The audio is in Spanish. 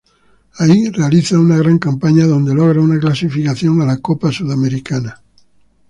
Ahí realiza una gran campaña, donde logra una clasificación a la Copa Sudamericana.